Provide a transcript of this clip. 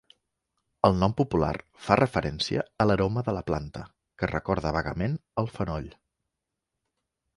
El nom popular fa referència a l'aroma de la planta que recorda vagament el fenoll.